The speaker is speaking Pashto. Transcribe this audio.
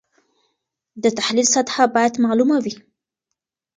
د تحلیل سطحه باید معلومه وي.